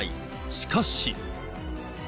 しかし。